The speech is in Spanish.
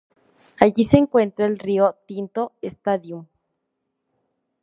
Allí se encuentra el Rio Tinto Stadium.